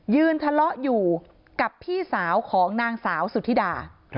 ทะเลาะอยู่กับพี่สาวของนางสาวสุธิดา